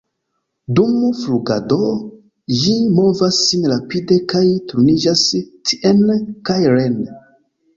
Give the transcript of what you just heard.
Dum flugado ĝi movas sin rapide kaj turniĝas tien kaj reen.